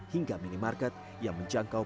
hingga minimarket yang menjangkau